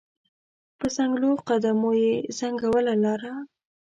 په ځنګولو قدمو یې ځنګوله لاره